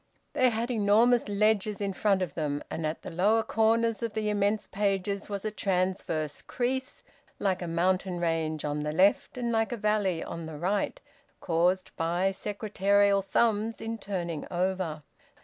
They had enormous ledgers in front of them, and at the lower corners of the immense pages was a transverse crease, like a mountain range on the left and like a valley on the right, caused by secretarial thumbs in turning over.